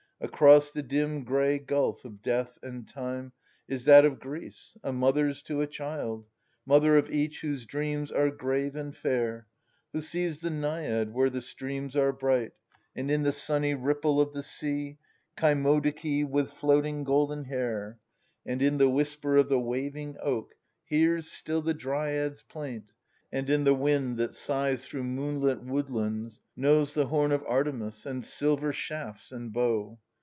Across the dim gray gulf of death and time Is that of Greece, a mother's to a child, — Mother of each whose dreams are grave and fair — Who sees the Naiad where the streams are bright,. And in the sunny ripple of the sea Cymodoce with floating golden hair : DEDICA TION. And in the whisper of the waving oak Hears still the Dryad's plaint, and, in the wind That sighs through moonht woodlands, knows the horn Of Artemis, and silver shafts and bow.